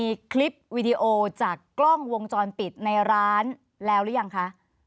มีคลิปวีดีโอจากกล้องวงจรปิดในร้านแล้วหรือยังคะ